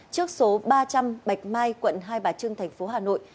trước số ba trăm linh bạch mai quận hai bà trưng thành phố hà nội